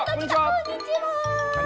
こんにちは。